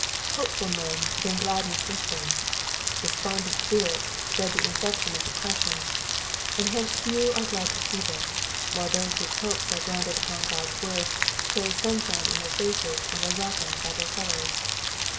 Hopeful men bring gladness with them. Despondent spirits spread the infection of depression, and hence few are glaa to see them, while those whose hopes are grounded upon God's word carry sun shine in their faces, and are welcomed by their fellows.